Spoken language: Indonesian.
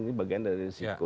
ini bagian dari risiko